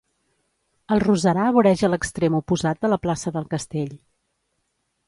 El roserar voreja l'extrem oposat de la plaça del castell.